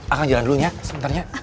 akang jalan dulu ya sebentar ya